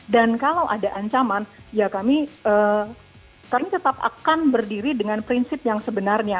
dan kalau ada ancaman ya kami tetap akan berdiri dengan prinsip yang sebenarnya